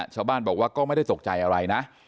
ชาวบ้านบอกว่าก็ไม่ได้ตกใจอะไรนะ